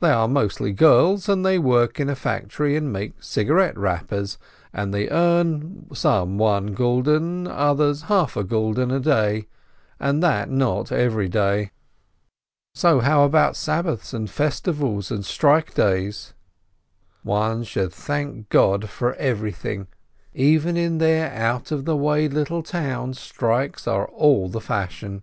They are mostly girls, and they work in a factory and make cigarette wrappers, and they earn, some one gulden, others half a gulden, a day, and that not every day. How about Sabbaths and festivals and "shtreik" days? One should thank God for everything, even in 144 SHOLOM ALECHEM their out of the way little town strikes are all the fash ion!